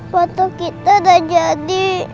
foto kita udah jadi